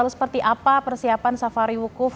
seperti apa persiapan safari wukuf